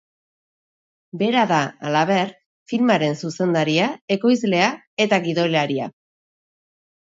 Bera da, halaber, filmaren zuzendaria, ekoizlea eta gidolaria.